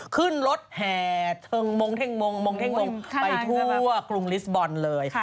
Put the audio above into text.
ขึ้นรถแห่เทิงมงเทิงมงไปทั่วกรุงลิสบอลเลย